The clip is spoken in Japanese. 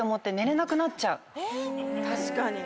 確かに。